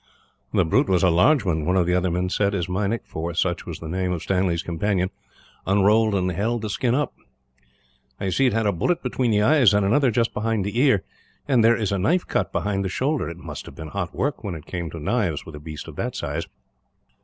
"The brute was a large one," one of the other men said, as Meinik for such was the name of Stanley's companion unrolled and held the skin up. "I see it had a bullet between the eyes, and another just behind the ear; and there is a knife cut behind the shoulder. It must have been hot work, when it came to knives, with a beast of that size."